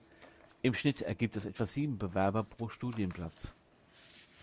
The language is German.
Im Schnitt ergibt das etwa sieben Bewerber pro Studienplatz.